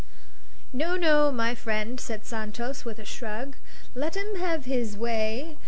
"No, no, my friend," said Santos, with a shrug; "let him have his way.